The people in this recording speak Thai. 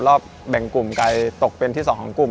รอบแบ่งกลุ่มไกลตกเป็นที่๒ของกลุ่ม